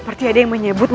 baguslah kau mantap hatiku